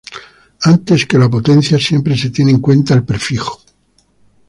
Antes que la potencia siempre se tiene en cuenta el prefijo.